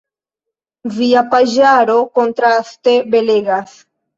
Via paĝaro, kontraste, belegas.